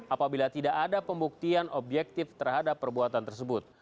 apabila tidak ada pembuktian objektif terhadap perbuatan tersebut